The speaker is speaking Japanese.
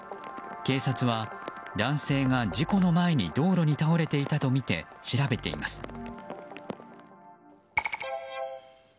警察は、男性が事故の前に道路に倒れていたとみて調べています。